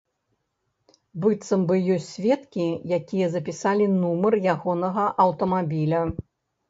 Быццам бы ёсць сведкі, якія запісалі нумар ягонага аўтамабіля.